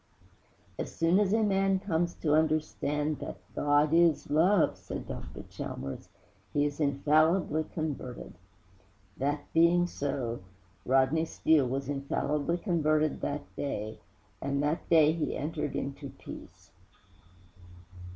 'As soon as a man comes to understand that GOD IS LOVE,' said Dr. Chalmers, 'he is infallibly converted.' That being so, Rodney Steele was infallibly converted that day, and that day he entered into peace.